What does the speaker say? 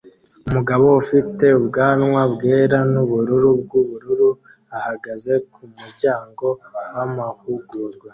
Umugabo ufite ubwanwa bwera nubururu bwubururu ahagaze kumuryango wamahugurwa